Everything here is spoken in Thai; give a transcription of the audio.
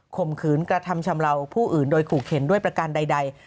ข่มขืนกระทำชำเลาผู้อื่นโดยขู่เข็นด้วยประการใด